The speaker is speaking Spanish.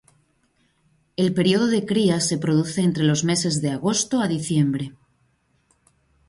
El período de cría se produce entre los meses de agosto a diciembre.